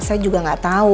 saya juga gak tau